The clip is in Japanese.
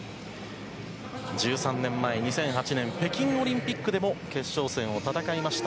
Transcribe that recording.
１３年前、２００８年北京オリンピックでも決勝戦を戦いました